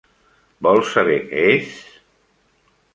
Vols saber què és?